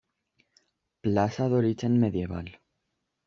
Plaça d'origen medieval.